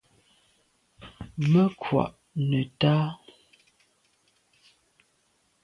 Me kwa’ neta.